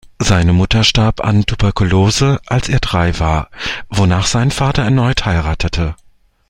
Seine Mutter starb an Tuberkulose als er drei war, wonach sein Vater erneut heiratete.